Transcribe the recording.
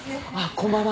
こんばんは。